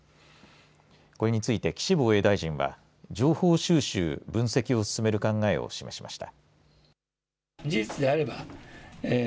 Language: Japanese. これについて岸防衛大臣は情報収集・分析を進める考えを示しました。